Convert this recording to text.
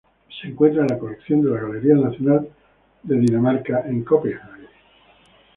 Se encuentra en la colección de la Galería Nacional de Dinamarca en Copenhague.